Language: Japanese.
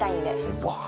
うわ。